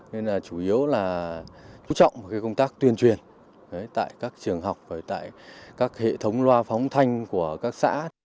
nên là chủ yếu là chú trọng công tác tuyên truyền tại các trường học tại các hệ thống loa phóng thanh của các xã